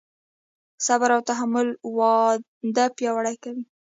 صبر او تحمل واده پیاوړی کوي.